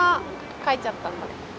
書いちゃったんだ。